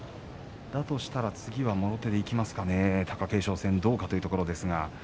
だとしたら次はもろ手できますかね、貴景勝戦はどうかというところですが。